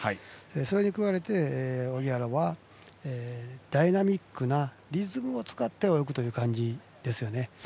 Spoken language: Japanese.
それに比べて荻原はダイナミックなリズムを使って泳ぐという感じですね。